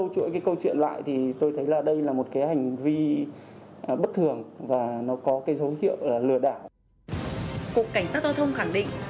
cục cảnh sát giao thông khẳng định